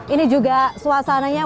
ini juga suasananya